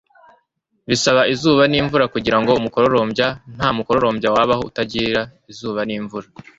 bisaba izuba n'imvura kugirango umukororombya. nta mukororombya wabaho utagira izuba n'imvura